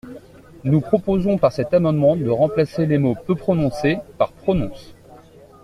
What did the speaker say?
Nous proposons par cet amendement de remplacer les mots « peut prononcer » par « prononce ».